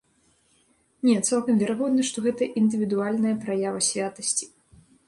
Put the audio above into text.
Не, цалкам верагодна, што гэта індывідуальная праява святасці.